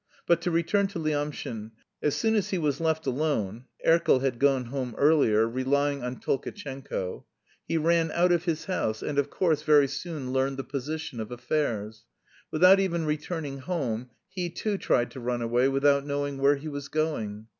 But to return to Lyamshin: as soon as he was left alone (Erkel had gone home earlier, relying on Tolkatchenko) he ran out of his house, and, of course, very soon learned the position of affairs. Without even returning home he too tried to run away without knowing where he was going.